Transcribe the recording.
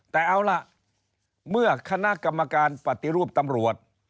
แต่เอาล่ะเมื่อคณะกรรมการปฏิรูปตำรวจ